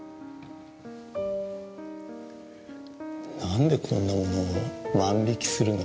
何でこんなものを万引きするの？